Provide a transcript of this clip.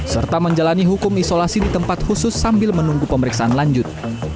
serta menjalani hukum isolasi di tempat khusus sambil menunggu pemeriksaan lanjut